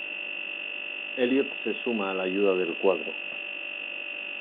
Eliot se suma a la ayuda del Cuadro.